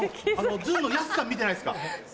ずんのやすさん見てないですか？